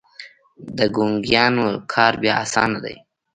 د ګونګيانو کار بيا اسانه دی.